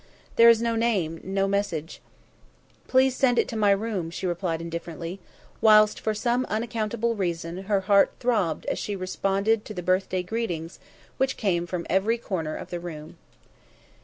"There is no name, no message." "Please send it to my room," she replied indifferently, whilst, for some unaccountable reason, her heart throbbed as she responded to the birthday greetings which came from every corner of the room.